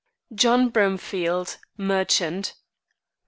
JOHN BROMFIELD, MERCHANT.